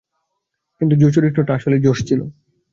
কিন্তু জো চরিত্রটা আসলেই জোশ ছিল।